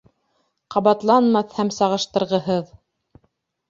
Ҡабатланмаҫ һәм сағыштырғыһыҙ.